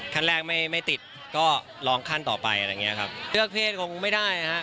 ขั้นแรกไม่ไม่ติดก็ร้องขั้นต่อไปอะไรอย่างเงี้ยครับเลือกเพศคงไม่ได้ฮะ